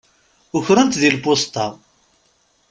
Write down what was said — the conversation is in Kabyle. Ukren-t di lpusṭa.